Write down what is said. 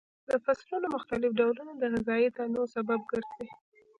د فصلونو مختلف ډولونه د غذایي تنوع سبب ګرځي.